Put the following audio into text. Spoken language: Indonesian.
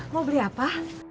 mau beli apa